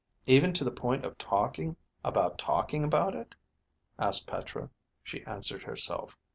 "Even to the point of talking about talking about it?" asked Petra. She answered herself.